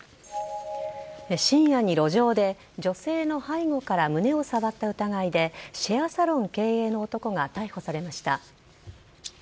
深夜に路上で女性の背後から胸を触った疑いでシェアサロン経営の男が逮捕されました。